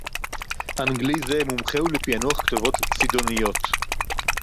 אַנְגְּלִי זֶה מֻמְחֶה הוּא לְפִעְנוּחַ כְּתֹבוֹת צִידוֹנִיּוֹת